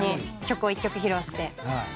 曲を１曲披露して。